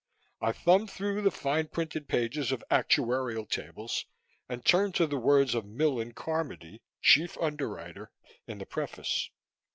I thumbed through the fine printed pages of actuarial tables and turned to the words of Millen Carmody, Chief Underwriter, in the preface.